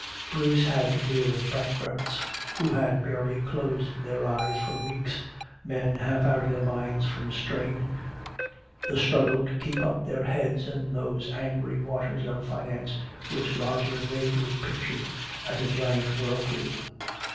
Bruce had to deal with bankrupts who had barely closed their eyes for weeks, men half out of their minds from the strain, the struggle to keep up their heads in those angry waters of finance which Roger vaguely pictured as a giant whirlpool.